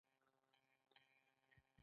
فیوډالانو په خپله په ځمکو کې کار نشو کولی.